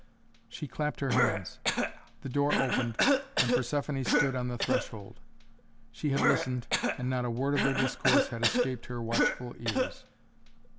She clapped her hands. The door opened and Persephoné stood on the threshold. She had listened, and not a word of their discourse had escaped her watchful ears.